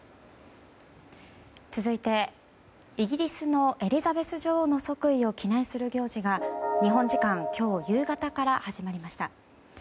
続いて、イギリスのエリザベス女王の即位を記念する行事が日本時間今日夕方から始まりました。